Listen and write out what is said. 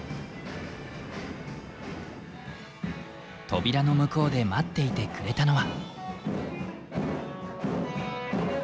扉の向こうで待っていてくれたのは。